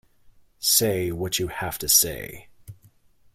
Say what you have to say.